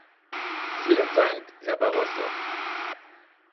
Vielen Dank, Herr Barroso.